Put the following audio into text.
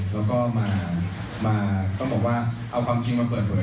แล้วก็มาต้องบอกว่าเอาความจริงมาเปิดเผย